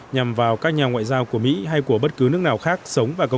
nhằm vào các nhà ngoại giao của mỹ hay của bất cứ nước nào khác